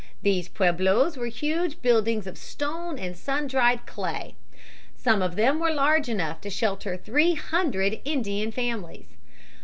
These pueblos were huge buildings of stone and sun dried clay. Some of them were large enough to shelter three hundred Indian families.